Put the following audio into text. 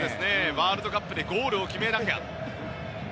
ワールドカップでゴールを決めなければ。